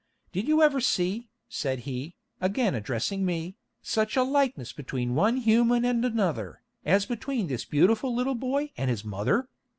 Did you ever see," said he, again addressing me, "such a likeness between one human and another, as between this beautiful little boy and his mother?"